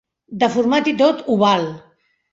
Deformat i tot, ho val.